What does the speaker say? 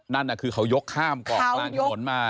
นั่นคือเขายกข้ามเกาะกลางถนนมา